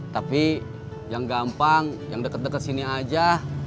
tapi yang gampang yang deket deket sini aja